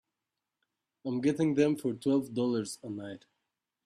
I'm getting them for twelve dollars a night.